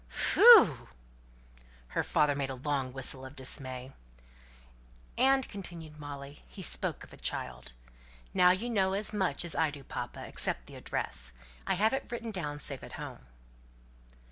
"Phew!" Her father made a long whistle of dismay. "And," continued Molly, "he spoke of a child. Now you know as much as I do, papa, except the address. I have it written down safe at home."